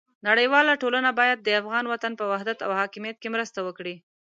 نړیواله ټولنه باید د افغان وطن په وحدت او حاکمیت کې مرسته وکړي.